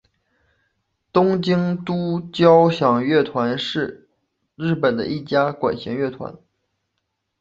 东京都交响乐团是日本的一家管弦乐团。